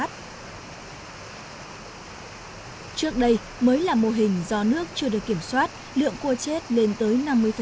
trước đây mới là mô hình do nước chưa được kiểm soát lượng cua chết lên tới năm mươi